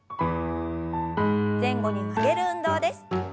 前後に曲げる運動です。